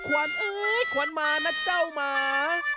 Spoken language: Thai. โอ้โหขวานมานะเจ้าหมา